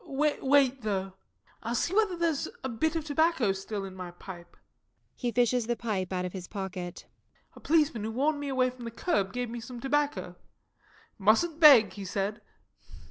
Wait, though I'll see whether there's a bit of tobacco still in my pipe. [He fishes the pipe out of his pocket.] A policeman who warned me away from the kerb gave me some tobacco. "Mustn't beg," he said.